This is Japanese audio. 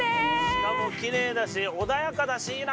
しかもきれいだし穏やかだしいいな。